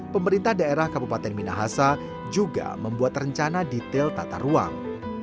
pemerintah daerah kabupaten minahasa juga membuat rencana detail tata ruang